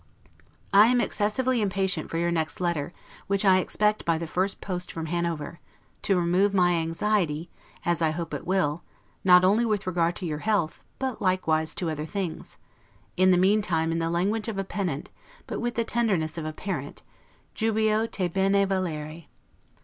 I am excessively impatient for your next letter, which I expect by the first post from Hanover, to remove my anxiety, as I hope it will, not only with regard to your health, but likewise to OTHER THINGS; in the meantime in the language of a pedant, but with the tenderness of a parent, 'jubeo te bene valere'.